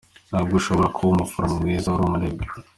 Ntabwo ushobora kuba umuforomo mwiza, uri umunebwe.